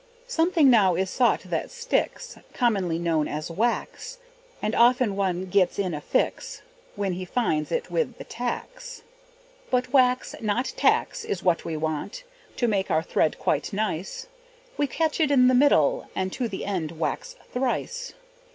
Something now is sought that sticks, Commonly known as wax; And often one gets in a fix When he finds it with the tacks. But wax, not tacks, is what we want, To make our thread quite nice; We catch it in the middle, And to the end wax thrice.